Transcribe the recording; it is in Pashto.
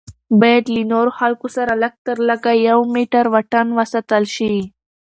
باید له نورو خلکو سره لږ تر لږه یو میټر واټن وساتل شي.